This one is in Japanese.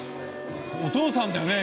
お父さんだよね？